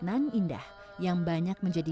nan indah yang banyak menjadi